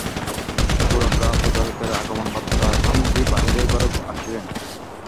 গোরক্ষা-প্রচারকের আগমন-বার্তা স্বামীজী বাহিরের ঘরে আসিলেন।